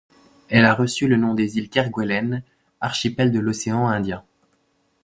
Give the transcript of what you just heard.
Elle a reçu le nom des îles Kerguelen, archipel de l'océan Indien.